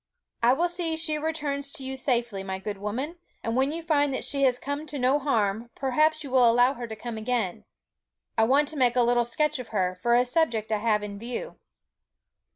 'I will see she returns to you safely, my good woman; and when you find that she has come to no harm, perhaps you will allow her to come again. I want to make a little sketch of her, for a subject I have in view.'